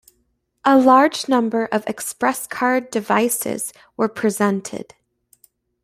A large number of ExpressCard devices were presented.